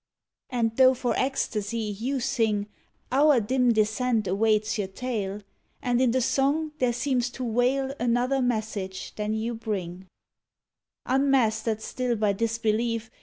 And tho for ecstasy you sing, Our dim dissent awaits your tale, And in the song there seems to wail Another message than you bring: Unmastered still by disbelief.